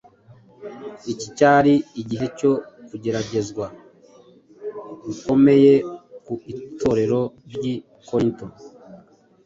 Iki cyari igihe cyo kugeragezwa gukomeye ku Itorero ry’i Korinto.